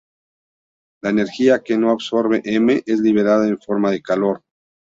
La energía que no absorbe M es liberada en forma de calor.